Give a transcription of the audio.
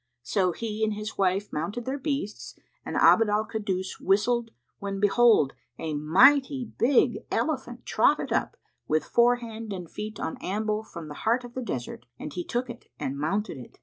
So he and his wife mounted their beasts and Abd al Kaddus whistled when, behold, a mighty big elephant trotted up with fore hand and feet on amble from the heart of the desert and he took it and mounted it.